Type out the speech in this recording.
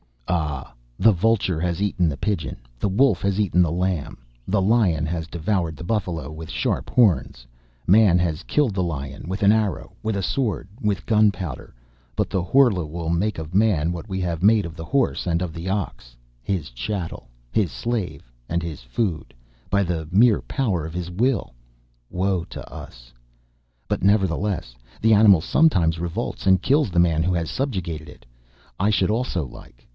Ah! the vulture has eaten the pigeon, the wolf has eaten the lamb; the lion has devoured the buffalo with sharp horns; man has killed the lion with an arrow, with a sword, with gunpowder; but the Horla will make of man what we have made of the horse and of the ox: his chattel, his slave and his food, by the mere power of his will. Woe to us! But, nevertheless, the animal sometimes revolts and kills the man who has subjugated it.... I should also like